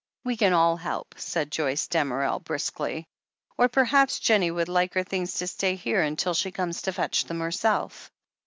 "We can all help," said Joyce Damerel briskly. "Or perhaps Jennie would like her things to stay here until she comes to fetch them herself."